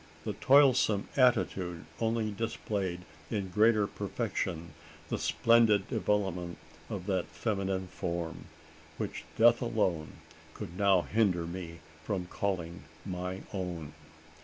The toilsome attitude only displayed in greater perfection the splendid development of that feminine form which death alone could now hinder me from calling my own.